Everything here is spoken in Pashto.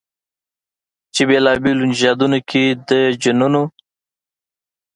چې بېلابېلو نژادونو کې د جینونو